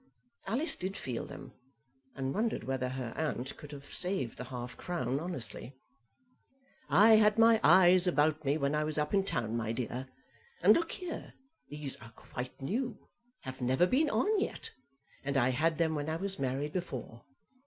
Alice did feel them, and wondered whether her aunt could have saved the half crown honestly. "I had my eyes about me when I was up in town, my dear. And look here, these are quite new, have never been on yet, and I had them when I was married before.